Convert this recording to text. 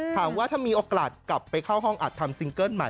ถามว่าถ้ามีโอกาสกลับไปเข้าห้องอัดทำซิงเกิ้ลใหม่